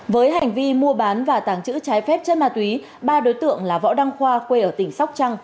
với hành vi mua bán và tàng trữ trái phép chất ma túy ba đối tượng là võ đăng khoa quê ở tỉnh sóc trăng